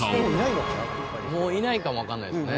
もういないかもわからないですね。